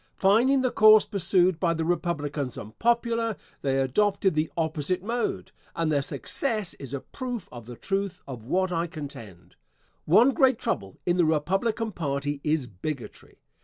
Finding the course pursued by the Republicans unpopular, they adopted the opposite mode, and their success is a proof of the truth of what I contend. One great trouble in the Republican party is bigotry.